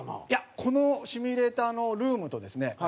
いやこのシミュレーターのルームとですね